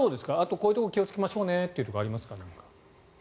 こういうところ気をつけましょうねというところありますか？